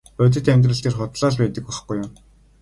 Бодит амьдрал дээр худлаа л байдаг байхгүй юу.